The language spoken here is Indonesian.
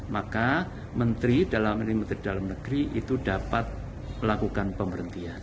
maka menteri dalam negeri dalam negeri itu dapat melakukan pemberhentian